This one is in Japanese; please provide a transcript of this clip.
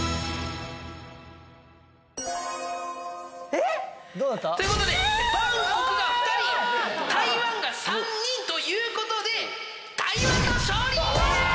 えっ！ということでバンコクが２人台湾が３人ということで台湾の勝利ー！